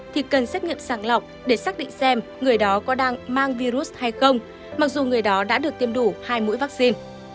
thì cần xét nghiệm sàng lọc để xác định xem người đó có đang mang virus hay không mặc dù người đó đã được tiêm đủ hai mũi vaccine